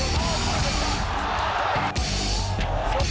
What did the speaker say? สวัสดีครับ